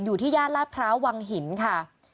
อยู่ที่ญาติลาบคราววังหินค่ะ